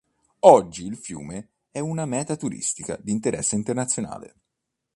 Oggi il fiume è una meta turistica di interesse internazionale.